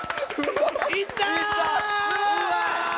いったー！